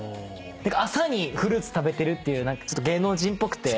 朝にフルーツ食べてるっていう芸能人っぽくて。